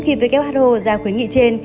trước khi who ra khuyến nghị trên